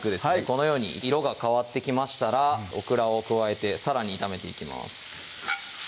このように色が変わってきましたらオクラを加えてさらに炒めていきます